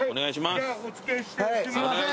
すいません。